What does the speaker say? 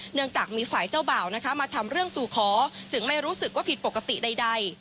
เนื่องจากมีฝ่ายเจ้าบ่าวนะคะมาทำเรื่องสู่ขอจึงไม่รู้สึกว่าผิดปกติใด